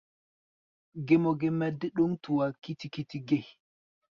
Gé mɔ ge mɛ dé ɗǒŋ tua kiti-kiti ge?